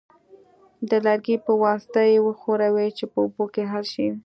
د لرګي په واسطه یې وښورئ چې په اوبو کې حل شي.